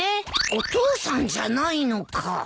お父さんじゃないのか。